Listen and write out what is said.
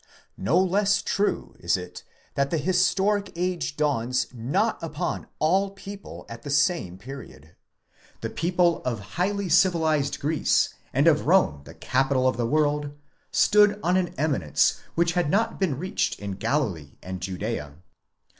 No less true is it that the historic age dawns not upon all people at the same period. The people of highly civilized Greece, and of Rome the capital of the world, stood on an eminence which had not been reached in Galilee and Judzea.